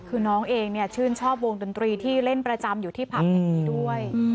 คือน้องเองเนี่ยชื่นชอบวงดนตรีที่เล่นประจำอยู่ที่ผับแห่งนี้ด้วย